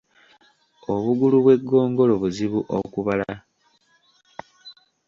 Obugulu bw’eggongolo buzibu okubala.